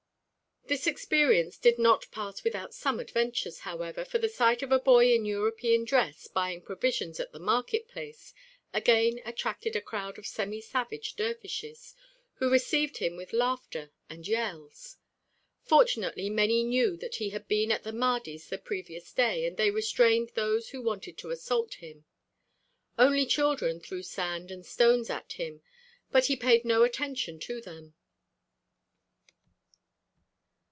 This experience did not pass without some adventures, however, for the sight of a boy in European dress buying provisions at the market place, again attracted a crowd of semi savage dervishes, who received him with laughter and yells. Fortunately many knew that he had been at the Mahdi's the previous day, and they restrained those who wanted to assault him. Only children threw sand and stones at him, but he paid no attention to them.